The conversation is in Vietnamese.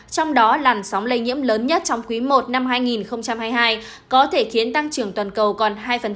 trong đó làn sóng lây nhiễm lớn nhất trong quý i năm hai nghìn hai mươi hai có thể khiến tăng trưởng toàn cầu còn hai